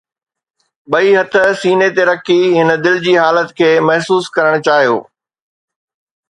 ٻئي هٿ سيني تي رکي هن دل جي حالت کي محسوس ڪرڻ چاهيو